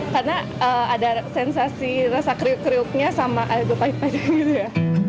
karena ada sensasi rasa kriuk kriuknya sama air bekaya gitu ya